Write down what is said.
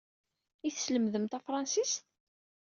Ad iyi-teslemdem tafṛensist?